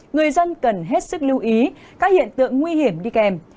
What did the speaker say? người dân cần hết sức lưu ý các hiện tượng nguy hiểm đi kèm